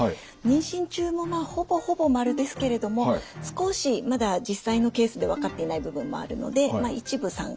妊娠中もまあほぼほぼ○ですけれども少しまだ実際のケースで分かっていない部分もあるので一部